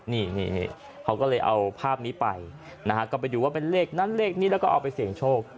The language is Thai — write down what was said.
นี่เขาก็เลยเอาภาพนี้ไปนะฮะก็ไปดูว่าเป็นเลขนั้นเลขนี้แล้วก็เอาไปเสี่ยงโชค